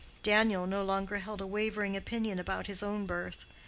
Daniel no longer held a wavering opinion about his own birth.